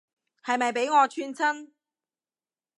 係咪畀我串親